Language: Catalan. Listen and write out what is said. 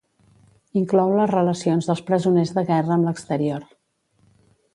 Inclou les relacions dels presoners de guerra amb l'exterior.